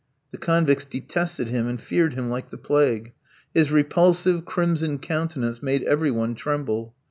The convicts detested him and feared him like the plague. His repulsive, crimson countenance made every one tremble.